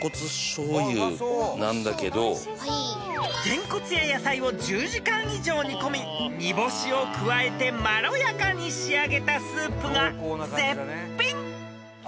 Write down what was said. ［げんこつや野菜を１０時間以上煮込み煮干しを加えてまろやかに仕上げたスープが絶品］